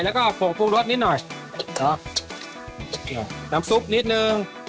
แล้วก็โผล่ปรุงรสนิดหน่อยน้ำซุปนิดหนึ่ง